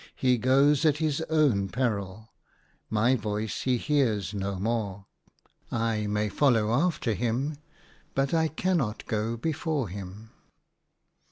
He goes at his own peril : my voice he hears no more. I may follow after him, but I cannot go before him."